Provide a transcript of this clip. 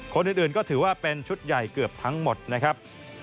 คนอื่นก็ถือว่าเป็นชุดใหญ่เกือบทั้งหมดนะครับ